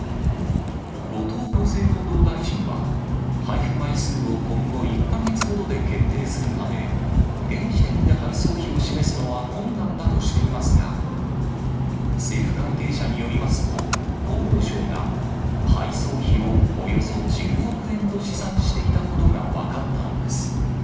後藤厚生労働大臣は、配布枚数を今後１か月ほどで決定するため、現時点で配送費を示すのは困難だとしていますが、政府関係者によりますと、厚労省が配送費をおよそ１０億円と試算していたことが分かったのです。